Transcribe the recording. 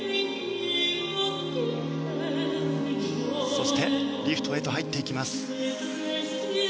そしてリフトへと入っていきます。